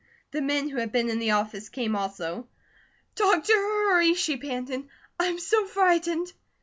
The men who had been in the office came also. "Doctor, hurry!" she panted. "I'm so frightened."